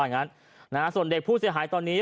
ล่ะส่วนเด็กพูดเสียหายตอนนี้